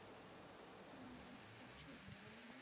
Nachora nyamandu kwa chuo